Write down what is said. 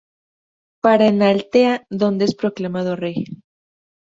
Para en Altea donde es proclamado rey.